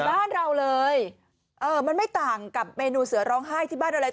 บ้านเราเลยเออมันไม่ต่างกับเมนูเสือร้องไห้ที่บ้านอะไร